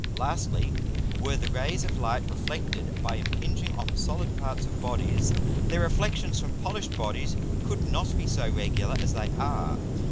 Lastly, Were the Rays of Light reflected by impinging on the solid parts of Bodies, their Reflexions from polish'd Bodies could not be so regular as they are.